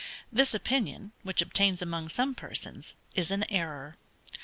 This opinion, which obtains among some persons, is an error.